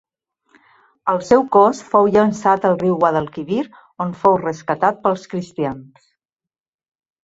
El seu cos fou llençat al riu Guadalquivir, on fou rescatat pels cristians.